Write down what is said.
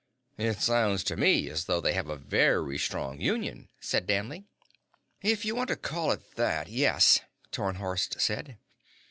"It sounds to me as though they have a very strong union," said Danley. "If you want to call it that, yes," Tarnhorst said.